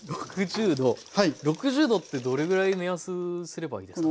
６０℃ってどれぐらい目安にすればいいですか？